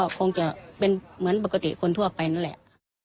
ก็คงจะเป็นเหมือนปกติคนทั่วไปนั่นแหละ